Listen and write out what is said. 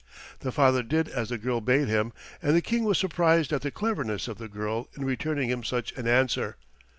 The father did as the girl bade him, and the King was surprised at the cleverness of the girl in returning him such an answer.